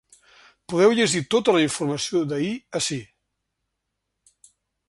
Podeu llegir tota la informació d’ahir ací.